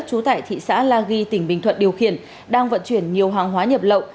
chú tải thị xã la ghi tỉnh bình thuận điều khiển đang vận chuyển nhiều hàng hóa nghi nhập lậu